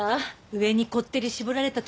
上にこってり絞られたとか？